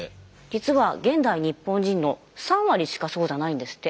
実は現代日本人の３割しかそうじゃないんですって。